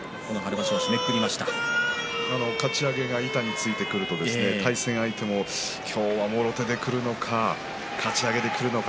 かち上げが板についてくると今日はもろ手でくるのか、かち上げでくるのか